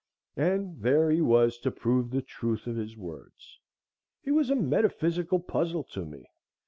And there he was to prove the truth of his words. He was a metaphysical puzzle to me.